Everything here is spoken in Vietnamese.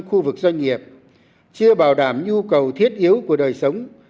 khu vực doanh nghiệp chưa bảo đảm nhu cầu thiết yếu của đời sống